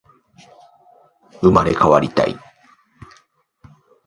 生まれ変わりたい